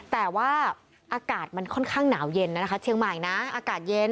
แต่ว่าอากาศมันค่อนข้างหนาวเย็นนะคะเชียงใหม่นะอากาศเย็น